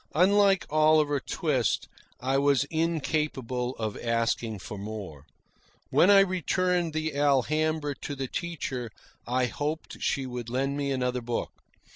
Unlike Oliver Twist, I was incapable of asking for more. When I returned the "Alhambra" to the teacher I hoped she would lend me another book.